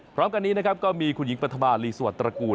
พร้อมกันนี้ก็มีคุณหญิงปัฒนาลีสวัสดิ์ตระกูล